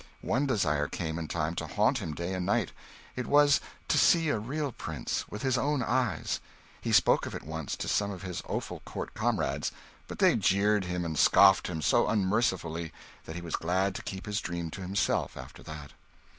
One desire came in time to haunt him day and night: it was to see a real prince, with his own eyes. He spoke of it once to some of his Offal Court comrades; but they jeered him and scoffed him so unmercifully that he was glad to keep his dream to himself after that.